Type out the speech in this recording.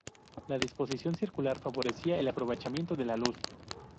La disposición circular favorecía el aprovechamiento de la luz.